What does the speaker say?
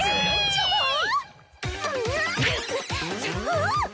あっ！